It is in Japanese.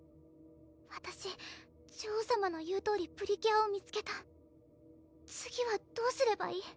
わたし女王さまの言うとおりプリキュアを見つけた次はどうすればいい？